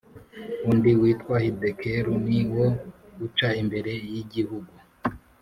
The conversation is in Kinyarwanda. Undi witwa Hidekelu, ni wo uca imbere y’igihugu